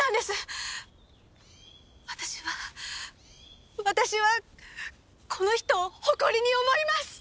私は私はこの人を誇りに思います！